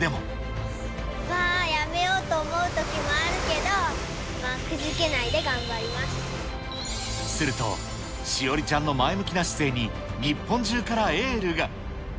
やめようと思うときもあるけど、すると、志織ちゃんの前向きな姿勢に日本中からエールが。